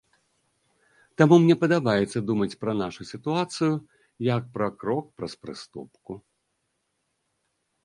Таму мне падабаецца думаць пра нашу сітуацыю, як пра крок праз прыступку.